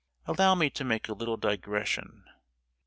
Allow me to make a little digression.